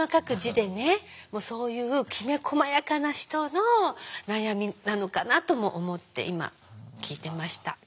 そういうきめこまやかな人の悩みなのかなとも思って今聞いてました。